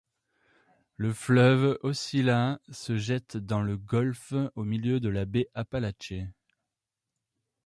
Le fleuve Aucilla se jette dans le golfe au milieu de la baie Apalachee.